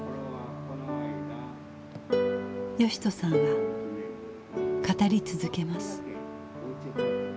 義人さんは語り続けます。